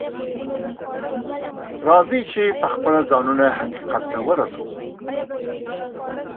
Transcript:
راځئ چې پخپله ځانونه حقيقت ته ورسوو.